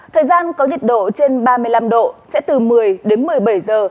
thời gian có nhiệt độ trên ba mươi năm độ sẽ từ một mươi đến một mươi bảy giờ